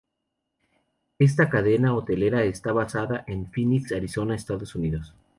Esta cadena hotelera está basada en Phoenix, Arizona, Estados Unidos.